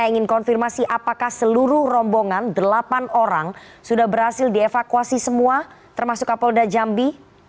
saya ingin konfirmasi apakah seluruh rombongan delapan orang sudah berhasil dievakuasi semua termasuk kapolda jambi